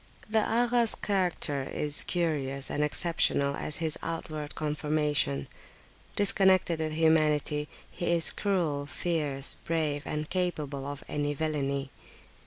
The Agha's character is curious and exceptional as his outward conformation. Disconnected with humanity, he is cruel, fierce, brave, and capable of any villany.